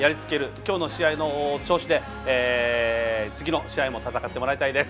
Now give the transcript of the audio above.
きょうの試合の調子で次の試合も戦ってもらいたいです。